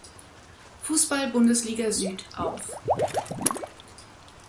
Fußball-Bundesliga Süd auf.